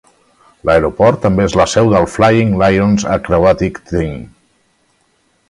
L'aeroport també és la seu del Flying Lions Aerobatic Team.